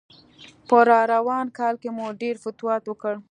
په راروان کال کې مو ډېر فتوحات وکړل.